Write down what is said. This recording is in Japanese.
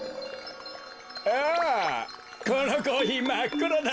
ああこのコーヒーまっくろだ。